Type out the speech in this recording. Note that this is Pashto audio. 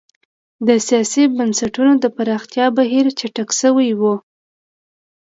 د سیاسي بنسټونو د پراختیا بهیر چټک شوی و.